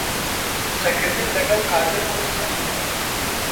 قسەکردن لەگەڵ قادر قورسە.